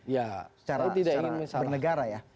ya saya tidak ingin menyesal